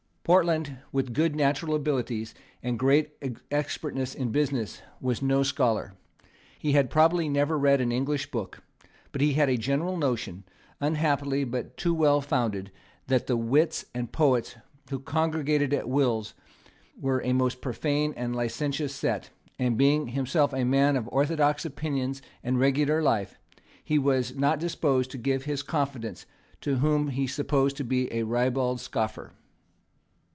Portland, with good natural abilities and great expertness in business, was no scholar. He had probably never read an English book; but he had a general notion, unhappily but too well founded, that the wits and poets who congregated at Will's were a most profane and licentious set; and, being himself a man of orthodox opinions and regular life, he was not disposed to give his confidence to one whom he supposed to be a ribald scoffer.